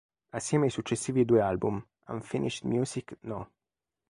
Assieme ai successivi due album, "Unfinished Music No.